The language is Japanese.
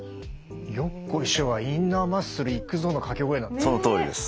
「よっこいしょ」は「インナーマッスルいくぞ」の掛け声なんですね。